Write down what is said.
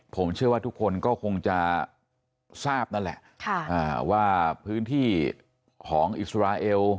ผมเชื่อว่าทุกคนก็คงจะทราบนั่นแหละว่าพื้นที่ของอิสราเอล